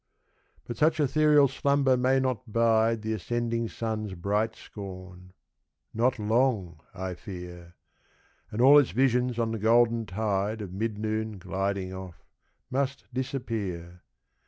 But such ethereal slumber may not bide The ascending sun's bright scorn not long, I fear; And all its visions on the golden tide Of mid noon gliding off, must disappear.